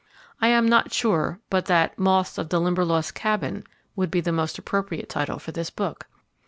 I am not sure but that "Moths of Limberlost Cabin" would be the most appropriate title for this book.